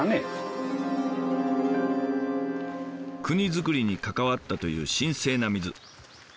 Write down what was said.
国づくりに関わったという神聖な水。